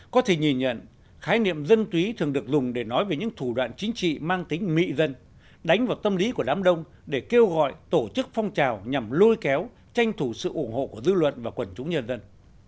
có thể nhìn nhận khái niệm dân túy thường được dùng để nói về những thủ đoạn chính trị mang tính mị dân đánh vào tâm lý của đám đông để kêu gọi tổ chức phong trào nhằm lôi kéo tranh thủ sự ủng hộ của dư luận và quần chúng nhân dân